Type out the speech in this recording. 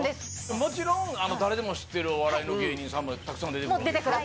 もちろん、誰でも知ってるお笑いの芸人さんもたくさん出てくる？